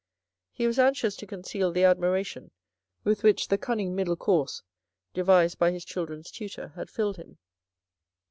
He was anxious to conceal the admiration with which the cunning " middle course " devised by his children's tutor had filled him.